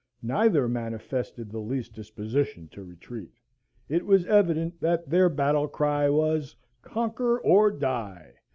Neither manifested the least disposition to retreat. It was evident that their battle cry was Conquer or die.